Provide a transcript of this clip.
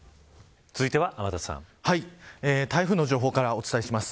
台風の情報からお伝えします。